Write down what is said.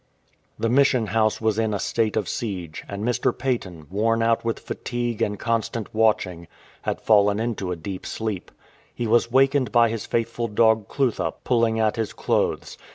The Mission House was in a state of siege, and Mr. Paton, worn out with fatigue and constant watching, had fallen into a deep sleep. He was wakened by his faithful dog Clutha pulling at his clothes.